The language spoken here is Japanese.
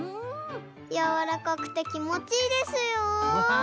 やわらかくてきもちいいですよ。